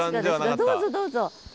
どうぞどうぞ。